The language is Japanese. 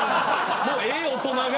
もうええ大人が。